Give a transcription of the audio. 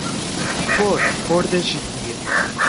For, for de ĉi tie!